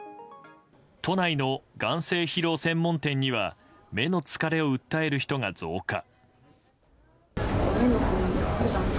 都内の眼精疲労専門店には目の疲れを訴える人が増加。